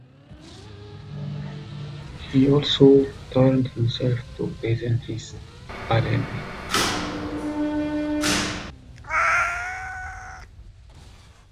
He also toured himself to present his ballads.